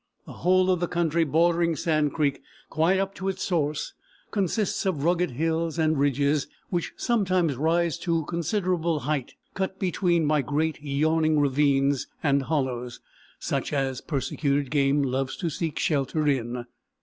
The whole of the country bordering Sand Creek, quite up to its source, consists of rugged hills and ridges, which sometimes rise to considerable height, cut between by great yawning ravines and hollows, such as persecuted game loves to seek shelter in.